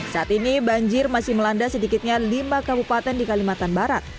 saat ini banjir masih melanda sedikitnya lima kabupaten di kalimantan barat